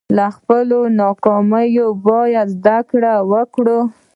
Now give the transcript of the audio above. له خپلو ناکامیو باید زده کړه وکړو.